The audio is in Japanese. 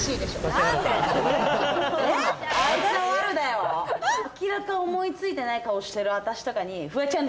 明らかに思いついてない顔をしてる私とかに、フワちゃん